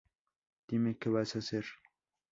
Dime Que Vas A Hacer?